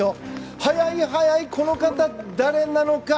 速い、速いこの方、誰なのか。